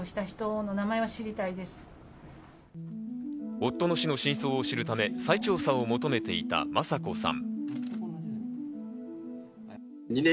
夫の死の真相を知るため再調査を求めていた雅子さん。